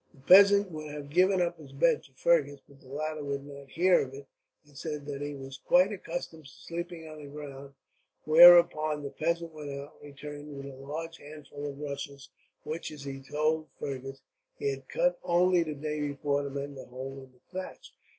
The peasant would have given up his bed to Fergus, but the latter would not hear of it, and said that he was quite accustomed to sleeping on the ground; whereupon the peasant went out, and returned with a large armful of rushes; which, as he told Fergus, he had cut only the day before to mend a hole in the thatch.